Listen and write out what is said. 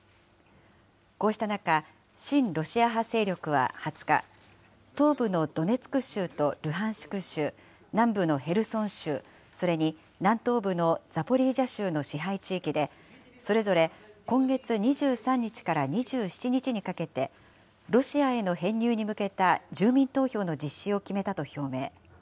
こうした中、親ロシア派勢力は２０日、東部のドネツク州とルハンシク州、南部のヘルソン州、それに南東部のザポリージャ州の支配地域で、それぞれ今月２３日から２７日にかけて、ロシアへの編入に向けた住民投票の実施を決めたと表明。